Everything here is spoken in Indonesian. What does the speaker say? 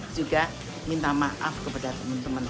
juga minta maaf kepada temen temen